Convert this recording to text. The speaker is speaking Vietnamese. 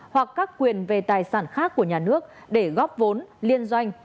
hoặc các quyền về tài sản khác của nhà nước để góp vốn liên doanh